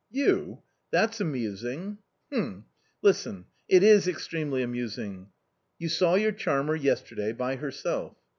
" You ? that's amusing." " H'm ! listen, it is extremely amusing ! You saw your charmer yesterday by herself."